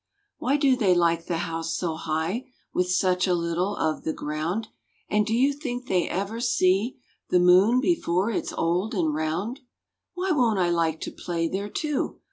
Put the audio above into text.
Why do they like the house so high, With such a little of the ground? And do you think they ever see The Moon before it's old and round? Why won't I like to play there, too?